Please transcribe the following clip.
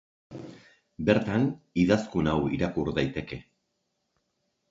Bertan idazkun hau irakur daiteke.